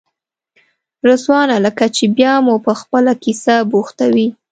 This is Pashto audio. رضوانه لکه چې بیا مو په خپله کیسه بوختوې.